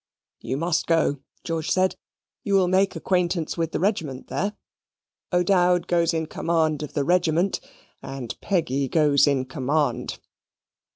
"You must go," George said. "You will make acquaintance with the regiment there. O'Dowd goes in command of the regiment, and Peggy goes in command."